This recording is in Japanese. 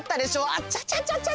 あちゃちゃちゃちゃ。